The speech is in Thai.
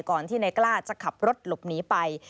ก่อนที่นายกล้าจะขับรถหลบหนีไป